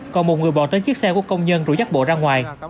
còn một người bỏ tới chiếc xe của công nhân rủ dắt bộ ra ngoài